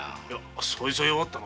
そいつは弱ったな。